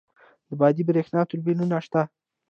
د بادی بریښنا توربینونه شته؟